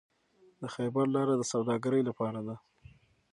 د خیبر لاره د سوداګرۍ لپاره ده.